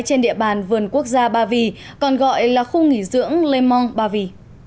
trên địa bàn vườn quốc gia ba vì còn gọi là khu nghỉ dưỡng le monde ba vì